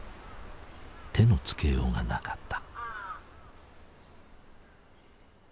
手のつけようがなかった。